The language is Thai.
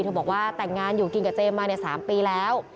บอกว่าแต่งงานอยู่กินกับเจมส์มา๓ปีแล้ว